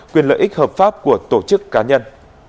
quyền lợi ích hợp pháp của tổ chức cá nhân